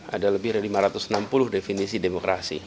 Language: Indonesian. ada lebih dari lima ratus enam puluh definisi demokrasi